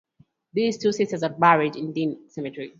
These two sisters are buried in Dean Cemetery.